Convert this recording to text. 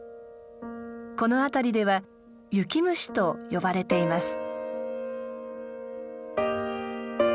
この辺りでは「雪虫」と呼ばれています。